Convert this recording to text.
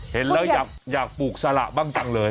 เห็นแล้วอยากปลูกสละบ้างจังเลย